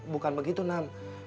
bukan begitu nam